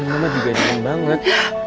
mama juga dingin banget